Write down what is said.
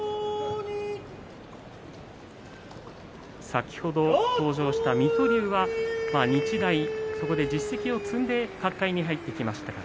先ほど登場した水戸龍は日大、そこで実績を積んで角界に入ってきました。